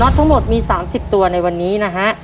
ทั้งหมดมี๓๐ตัวในวันนี้นะฮะ